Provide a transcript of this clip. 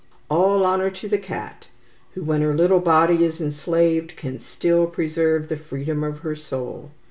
All honour to the cat, who, when her little body is enslaved, can still preserve the freedom of her soul.